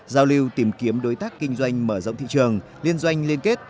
giao lưu tìm kiếm đối tác kinh doanh mở rộng thị trường liên doanh liên kết